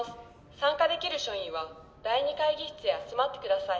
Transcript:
参加できる署員は第２会議室へ集まってください。